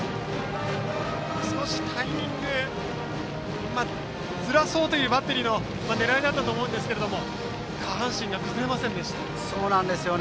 少しタイミングをずらそうというバッテリーの狙いだったと思うんですが下半身が崩れませんでした。